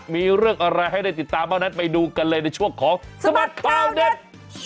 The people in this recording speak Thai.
มีเรื่องอะไรให้ได้ติดตามบ้างนั้นไปดูกันเลยในช่วงของสบัดข่าวเด็ด